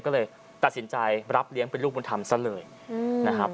ก็เลยตัดสินใจรับเลี้ยงเป็นลูกบุญธรรมซะเลยนะครับ